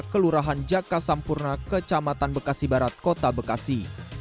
kelurahan jaka sampurna kecamatan bekasi barat kota bekasi